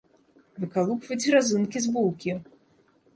Выкалупваць разынкі з булкі.